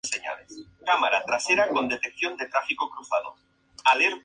Mary Imelda Gauthier nació en Francia en el seno de una familia católica.